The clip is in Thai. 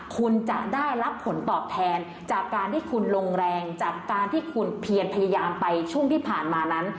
คุณจะได้รับผลตอบแทนจากการที่คุณลงแรงจากการที่คุณเพียรพยายามไปช่วงที่ผ่านมานั้น